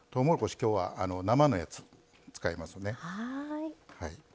きょうは生のやつ使いますね。